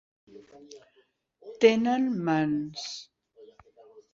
Tenen mans.